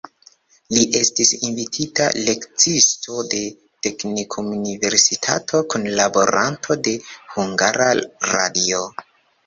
Li estis invitita lekciisto de teknikuniversitato, kunlaboranto de hungara radio.